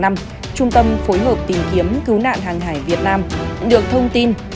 trung tâm phối hợp tìm kiếm cứu nạn hàng hải việt nam được thông tin